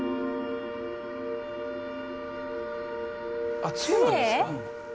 あ杖なんですか？